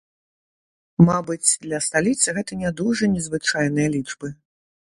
Мабыць, для сталіцы гэта не дужа незвычайныя лічбы.